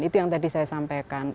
itu yang tadi saya sampaikan